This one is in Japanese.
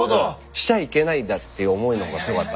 しちゃいけないんだっていう思いの方が強かったんですよ。